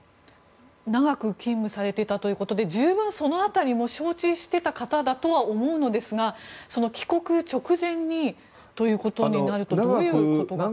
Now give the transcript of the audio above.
長く勤務されていたということで十分その辺りも承知してた方だとは思うのですが帰国直前にということになるのはどういうことが考えられますか？